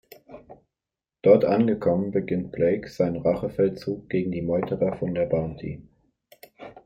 Dort angekommen, beginnt Bligh seinen Rachefeldzug gegen die Meuterer von der Bounty.